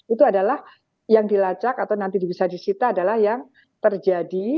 itu adalah yang dilacak atau nanti bisa disita adalah yang terjadi